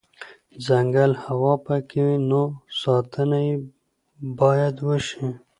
ځنګل هوا پاکوي، نو ساتنه یې بایدوشي